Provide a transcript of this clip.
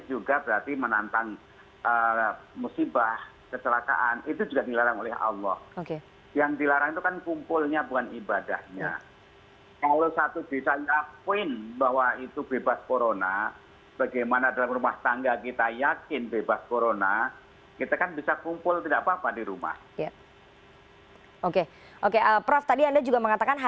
jadi negara pemerintah